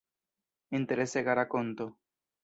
Interesega rakonto.